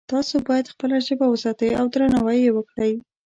تاسو باید خپله ژبه وساتئ او درناوی یې وکړئ